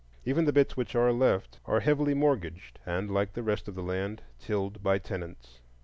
Even the bits which are left are heavily mortgaged, and, like the rest of the land, tilled by tenants.